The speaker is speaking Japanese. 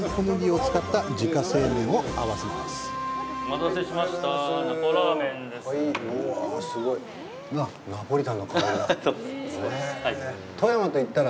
お待たせしました。